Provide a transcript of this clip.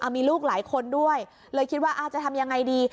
มีลูกหลายคนด้วยเลยคิดว่าจะทำยังไงดี